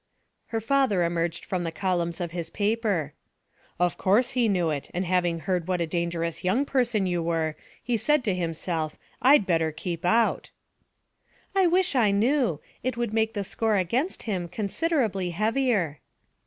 Her father emerged from the columns of his paper. 'Of course he knew it, and having heard what a dangerous young person you were, he said to himself, "I'd better keep out."' 'I wish I knew. It would make the score against him considerably heavier.'